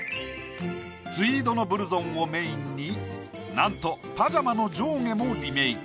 ツイードのブルゾンをメインになんとパジャマの上下もリメイク。